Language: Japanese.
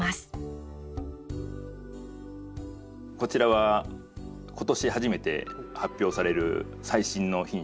こちらは今年初めて発表される最新の品種。